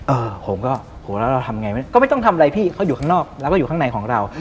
ผมก็โหแล้วเราทำไงก็ไม่ต้องทำอะไรพี่เขาอยู่ข้างนอกแล้วก็อยู่ข้างในของเรา